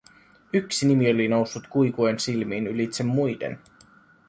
Yksi nimi oli noussut Quiquen silmiin ylitse muiden: